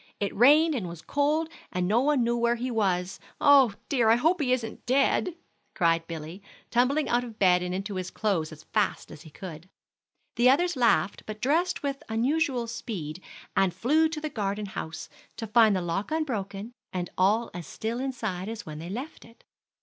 It rained and was cold, and no one knew where he was. Oh dear, I hope he isn't dead," cried Billy, tumbling out of bed and into his clothes as fast as he could. The others laughed, but dressed with unusual speed, and flew to the garden house, to find the lock unbroken, and all as still inside as when they left it.